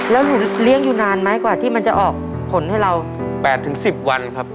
แล้วหนูเลี้ยงอยู่นานไหมกว่าที่มันจะออกผลให้เรา๘๑๐วันครับ